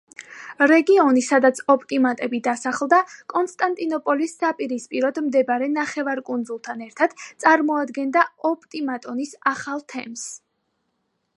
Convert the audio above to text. რეგიონი სადაც ოპტიმატები დასახლდა, კონსტანტინოპოლის საპირისპიროდ მდებარე ნახევარკუნძულთან ერთად წარმოადგენდა ოპტიმატონის ახალ თემს.